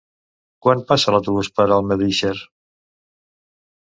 Quan passa l'autobús per Almedíxer?